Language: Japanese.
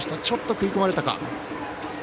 ちょっと食い込まれたか。